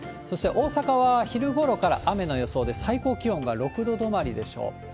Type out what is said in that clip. そして、大阪は昼ごろから雨の予想で、最高気温が６度止まりでしょう。